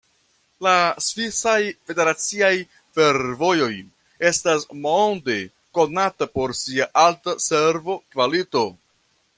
La Svisaj Federaciaj Fervojoj estas monde konata pro sia alta servo-kvalito.